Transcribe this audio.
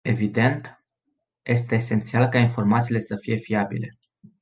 Evident, este esențial ca informațiile să fie fiabile.